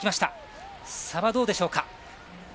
差はどうでしょうか。